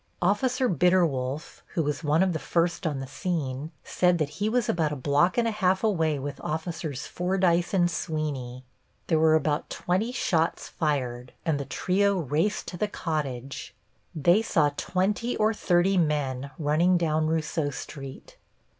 Officer Bitterwolf, who was one of the first on the scene, said that he was about a block and a half away with Officers Fordyce and Sweeney. There were about twenty shots fired, and the trio raced to the cottage. They saw twenty or thirty men running down Rousseau Street.